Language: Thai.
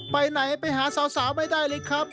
ไปไหนไปหาสาวไม่ได้เลยครับ